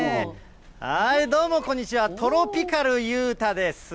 どうもこんにちは、トロピカル裕太です。